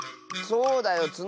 そうだよ。